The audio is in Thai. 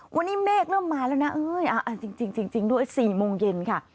วันนี้เมฆเริ่มมาแล้วนะจริงด้วย๔โมงเย็นค่ะ